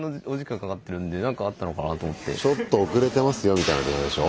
ちょっと遅れてますよみたいな電話でしょ。